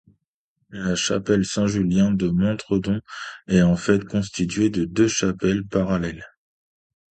La chapelle Saint-Julien de Montredon est en fait constituée de deux chapelles parallèles.